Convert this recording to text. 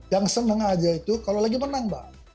yang seneng saja itu kalau lagi menang mbak